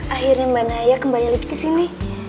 akhirnya mbak naya kembali lagi kesini